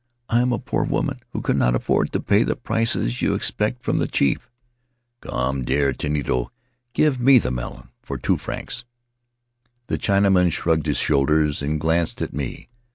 "I am a poor woman who cannot afford to pay the prices you expect from the chief. Come, dear Tinito, give me the melon for two francs." The Chinaman shrugged his shoulders and glanced at me.